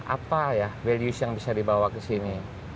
apa ya values yang bisa dibawa ke sini